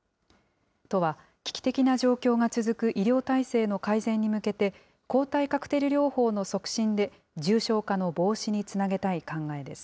都は、危機的な状況が続く医療体制の改善に向けて、抗体カクテル療法の促進で、重症化の防止につなげたい考えです。